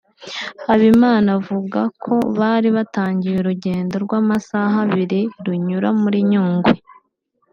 Habimana avuga ko bari batangiye urugendo rw’amasaha abiri runyura muri Nyungwe